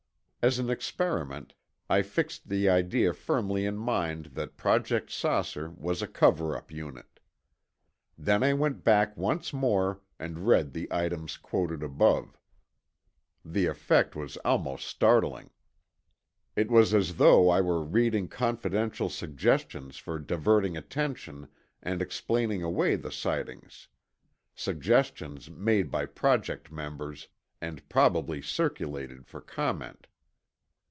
As an experiment, I fixed the idea firmly in mind that Project "Saucer" was a cover up unit. Then I went back once more and read the items quoted above. The effect was almost startling. It was as though I were reading confidential suggestions for diverting attention and explaining away the sightings; suggestions made by Project members and probably circulated for comment.